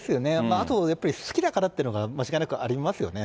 あとやっぱり、好きだからというのが間違いなくありますよね。